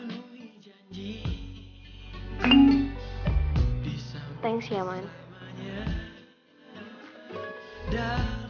thanks ya man